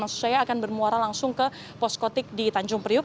maksud saya akan bermuara langsung ke poskotik di tanjung priuk